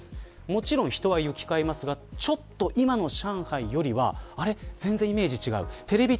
もちろん人が行き交いますがちょっと今の上海よりは全然イメージが違います。